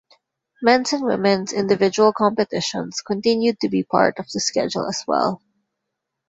Men's and women's individual competitions continued to be part of the schedule as well.